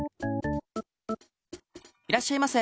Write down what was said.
いらっしゃいませ。